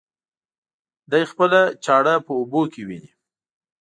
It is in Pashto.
دى خپله چاړه په اوبو کې ويني.